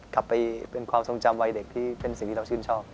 กลับไปเป็นความทรงจำวัยเด็กที่เป็นสิ่งที่เราชื่นชอบ